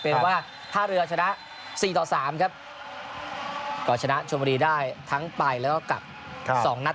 เป็นว่าถ้าเรือชนะ๔๓ก็ชนะชวนบุรีได้ทั้งปลายแล้วก็กลับ๒นัด